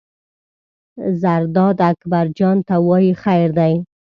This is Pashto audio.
زرداد اکبر جان ته وایي: خیر دی.